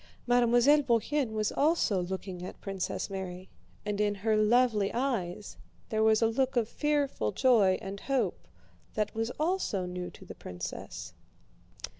Mademoiselle Bourienne was also looking at Princess Mary, and in her lovely eyes there was a look of fearful joy and hope that was also new to the princess.